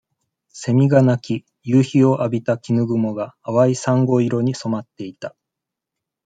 セミが鳴き、夕日をあびた絹雲が、淡いさんご色に染まっていた。